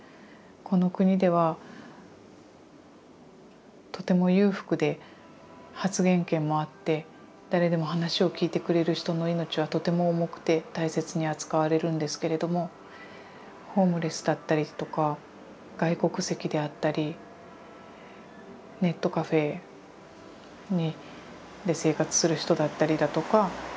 この国ではとても裕福で発言権もあって誰でも話を聞いてくれる人の命はとても重くて大切に扱われるんですけれどもホームレスだったりとか外国籍であったりネットカフェで生活する人だったりだとか。